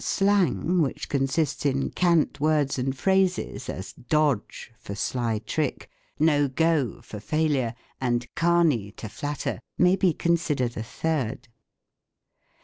Slang, which consists in cant words and phrases, as " dodge" for " sly trick," " no go " for " failure," and " Carney" "to flatter," may be considered a third.